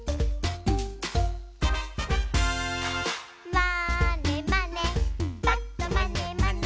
「まーねまねぱっとまねまね」